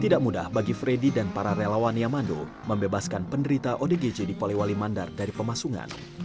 tidak mudah bagi freddy dan para relawan yamando membebaskan penderita odgj di polewali mandar dari pemasungan